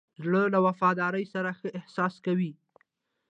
زړه له وفادارۍ سره ښه احساس کوي.